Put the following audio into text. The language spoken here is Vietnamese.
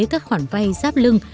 các khoản vai giáp lưng